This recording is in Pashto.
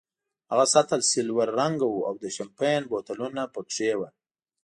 هغه سطل سلور رنګه وو او د شیمپین بوتلونه پکې وو.